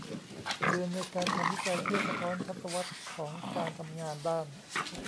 เดือนในการทำวิจัยเพื่อสะท้อนทศวรรษของการทำงานด้าน